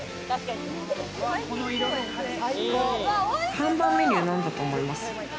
看板メニューなんだと思います？